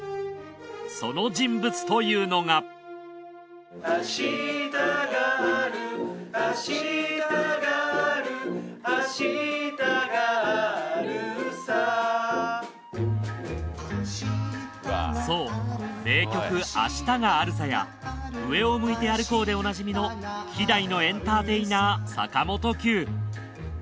その人物というのがそう名曲『明日があるさ』や『上を向いて歩こう』でおなじみの稀代のエンターテイナー坂本九。